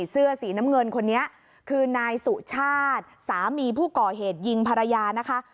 เสื้อสีน้ำเงินคนนี้คือนายสุชาติสามีผู้ก่อเหตุยิงภรรยานะคะ